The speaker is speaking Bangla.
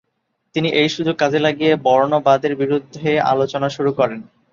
তিনি এই সুযোগ কাজে লাগিয়ে বর্ণবাদের বিরুদ্ধে আলোচনা শুরু করেন।